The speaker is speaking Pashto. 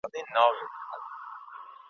د هغه قام به خاوري په سر وي ,